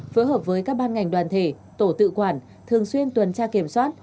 phối hợp với các ban ngành đoàn thể tổ tự quản thường xuyên tuần tra kiểm soát